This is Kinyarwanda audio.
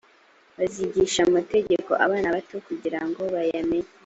bazigisha amateka abana bato kugirango bayamenye